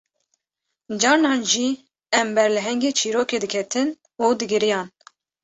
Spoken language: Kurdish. Carnan jî em ber lehengê çîrokê diketin û digiriyan